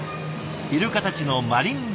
イルカたちのマリンライブ。